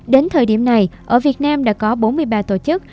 đến thời điểm này ở việt nam đã có bốn mươi ba tổ chức